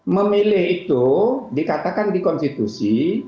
memilih itu dikatakan di konstitusi